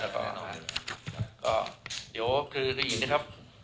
เดี๋ยวคือคืออีกนิดนึงครับ